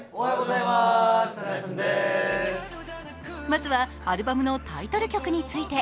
まずはアルバムのタイトル曲について